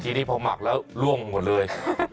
ทีนี้พอหมักแล้วล่วงหมดเลย